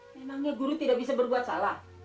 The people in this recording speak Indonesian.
memangnya guru tidak bisa berbuat salah